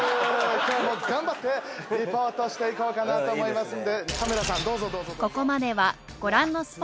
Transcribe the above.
今日も頑張ってリポートしていこうかなと思いますんで。